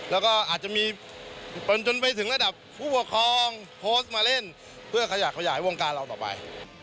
แล้วก็อาจจะมีจนไปถึงระดับผู้ปกครองโพสต์มาเล่นเพื่อขยับขยายวงการเราต่อไป